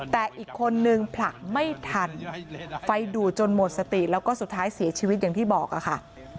แต่อีกคนนึงผลักไม่ทันไฟดูดจนหมดสติแล้วก็สุดท้ายเสียชีวิตอย่างที่บอกค่ะ